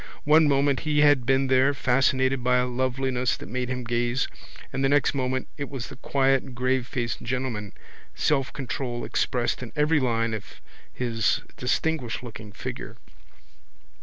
One moment he had been there, fascinated by a loveliness that made him gaze, and the next moment it was the quiet gravefaced gentleman, selfcontrol expressed in every line of his distinguishedlooking figure.